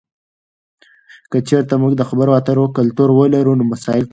که چیرته موږ د خبرو اترو کلتور ولرو، نو مسایل کمېږي.